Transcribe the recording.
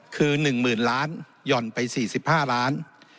คือ๑๐๐๐ล้านหย่อนไป๔๕ล้าน